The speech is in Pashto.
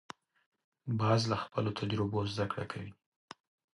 باز له خپلو تجربو زده کړه کوي